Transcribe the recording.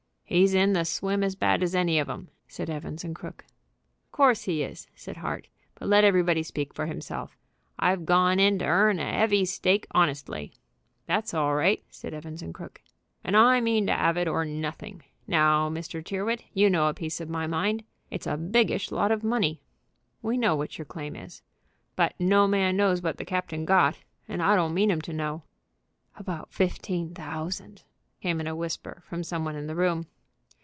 "He's in the swim as bad as any of 'em," said Evans & Crooke. "Of course he is," said Hart. "But let everybody speak for himself. I've gone in to 'earn a 'eavy stake honestly." "That's all right," said Evans & Crooke. "And I mean to 'ave it or nothing. Now, Mr. Tyrrwhit, you know a piece of my mind. It's a biggish lot of money." "We know what your claim is." "But no man knows what the captain got, and I don't mean 'em to know." "About fifteen thousand," came in a whisper from some one in the room.